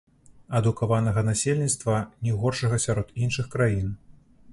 Адукаванага насельніцтва, не горшага сярод іншых краін.